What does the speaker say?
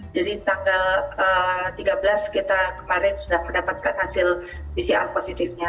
jadi tanggal tiga belas kita kemarin sudah mendapatkan hasil pcr positifnya